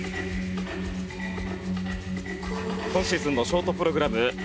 今シーズンのショートプログラム